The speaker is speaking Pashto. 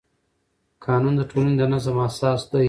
قانون د ټولنې د نظم اساس دی.